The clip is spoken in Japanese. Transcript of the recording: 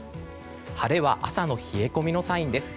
晴れは朝の冷え込みのサインです。